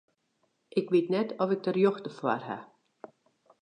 Ik wit net oft ik de rjochte foar haw.